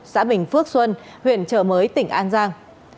xã bình phước xuân huyện chợ mới tỉnh an giang